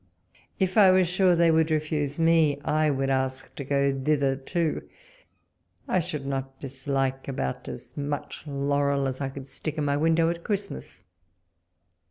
70 walpole's letters. If I was sure they would refuse me, I would ask to go thither too. I should not dislike about as much laurel as I could stick in my window at Christmas.